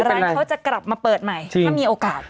ร้านเขาจะกลับมาเปิดใหม่ถ้ามีโอกาส